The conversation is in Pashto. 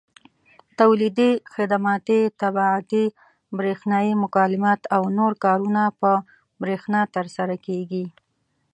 تولیدي، خدماتي، طباعتي، برېښنایي مکالمات او نور کارونه په برېښنا ترسره کېږي.